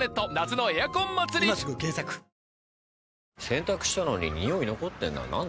洗濯したのにニオイ残ってんな。